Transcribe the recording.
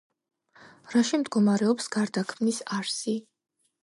რაში მდგომარეობს გარდაქმნის არსი?